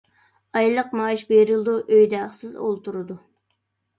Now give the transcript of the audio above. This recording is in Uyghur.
ئايلىق مائاش بېرىلىدۇ، ئۆيدە ھەقسىز ئولتۇرىدۇ.